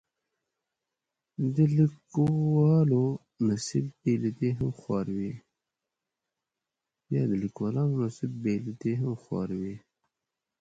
د لیکوالو نصیب بې له دې هم خوار وي.